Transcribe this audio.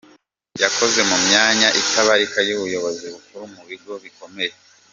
Yakoze mu myanya itabarika y’ubuyobozi bukuru mu bigo bikomeye.